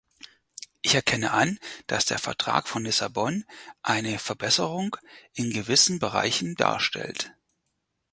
Ich erkenne an, dass der Vertrag von Lissabon eine Verbesserung in gewissen Bereichen darstellt.